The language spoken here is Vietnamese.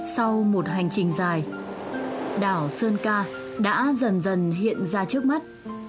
sau một hành trình dài đảo sơn ca đã dần dần hiện ra trước mắt